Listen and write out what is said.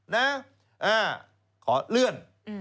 นะขอเลื่อน